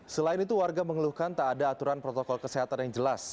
selain itu warga mengeluhkan tak ada aturan protokol kesehatan yang jelas